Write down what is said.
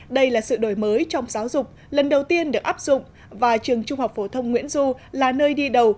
đây là sự đổi mới trong giáo dục lần đầu tiên được áp dụng và trường trung học phổ thông nguyễn du là nơi đi đầu